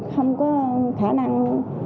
không có khả năng